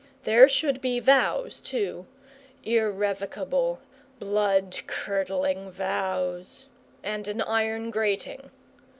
There should be vows, too irrevocable, blood curdling vows; and an iron grating.